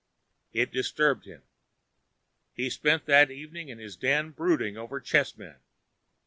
It disturbed him. He spent that evening in his den brooding over chessmen.